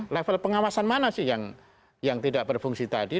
level pengawasan mana sih yang tidak berfungsi tadi